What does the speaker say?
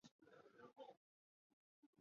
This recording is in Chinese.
故有说法认为宋太祖早就忌讳韩通。